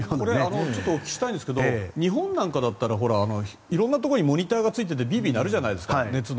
ちょっとお聞きしたいんですが日本なんかだったら色んなところにモニターがついていてビービー鳴るじゃないですか熱の。